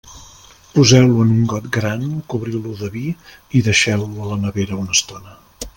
Poseu-lo en un got gran, cobriu-lo de vi i deixeu-lo a la nevera una estona.